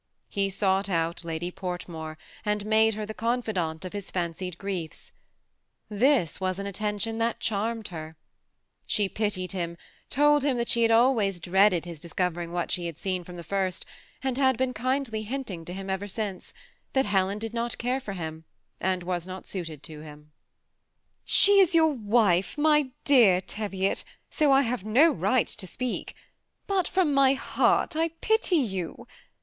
He sought out Lady Fortmore, and made her the confidante of his fancied griefs. This was an attention that charmed lier* She pitied him, told him that she had always dreaded his discovering what she had seen from the first; and had been kindly hinting to him ever since, that Helen did not care for him, and was not suited to him. THE SEMI ATTACHED COUPLE. 225 *' She is your wife, my dear Teviot, so I have no right to speak ; but from my heart I pity you.